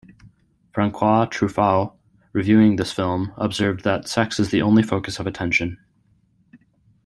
Francois Truffaut, reviewing this film, observed that 'sex is the only focus of attention'.